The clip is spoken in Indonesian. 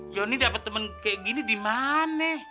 jonny dapet temen kayak gini dimana